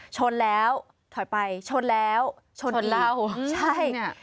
ชนแล้วถอยไปชนแล้วชนอีกชนเหล้า